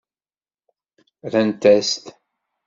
Rrant-as-t.